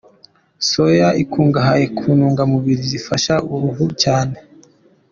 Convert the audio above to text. Soya ikungahaye ku ntungamubiri zifasha uruhu cyane.